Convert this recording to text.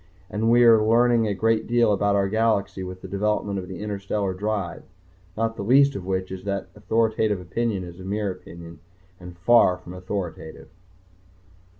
and we are learning a great deal about our galaxy with the development of the interstellar drive not the least of which is that authoritative opinion is mere opinion and far from authoritative.